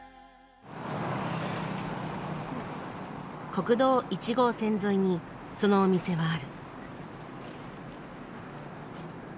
国道１号線沿いにそのお店はある。